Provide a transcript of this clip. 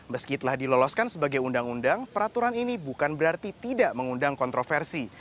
meski telah diloloskan sebagai undang undang peraturan ini bukan berarti tidak mengundang kontroversi